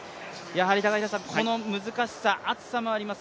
やはりこの難しさ、暑さもあります